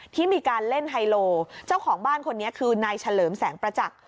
ที่มีการเล่นไฮโลเจ้าของบ้านคนนี้คือนายเฉลิมแสงประจักษ์